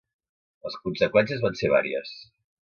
Les conseqüències van ser vàries.